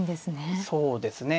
そうですね。